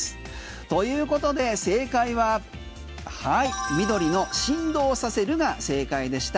ということで、正解は緑の振動させるが正解でした。